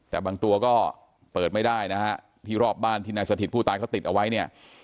แต่บางตัวก็เปิดไม่ได้นะฮะที่รอบบ้านที่นายสถิตผู้ตายเขาติดเอาไว้เนี่ย